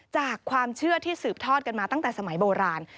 จากความเชื่อที่สืบทอดกันมาตั้งแต่สมัยโบราณ